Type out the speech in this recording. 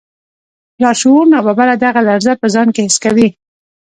لاشعور ناببره دغه لړزه په ځان کې حس کوي